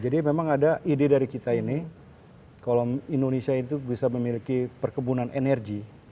memang ada ide dari kita ini kalau indonesia itu bisa memiliki perkebunan energi